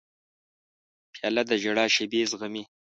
پیاله د ژړا شېبې زغمي.